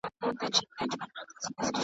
چي پر مځکه دهقان کښت کاوه د سونډو.